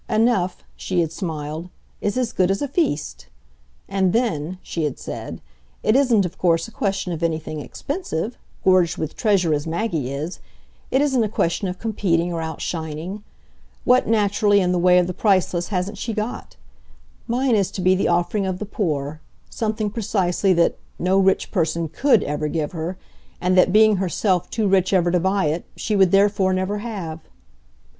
Enough," she had smiled, "is as good as a feast! And then," she had said, "it isn't of course a question of anything expensive, gorged with treasure as Maggie is; it isn't a question of competing or outshining. What, naturally, in the way of the priceless, hasn't she got? Mine is to be the offering of the poor something, precisely, that no rich person COULD ever give her, and that, being herself too rich ever to buy it, she would therefore never have."